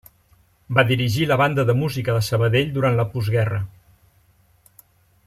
Va dirigir la Banda de Música de Sabadell durant la postguerra.